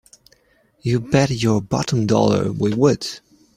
You bet your bottom dollar we would!